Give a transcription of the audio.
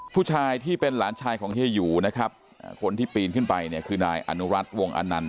ผู้ชายที่เป็นหลานชายของเฮียหยูนะครับคนที่ปีนขึ้นไปเนี่ยคือนายอนุรัติวงอนันต